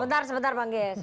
sebentar sebentar bang gies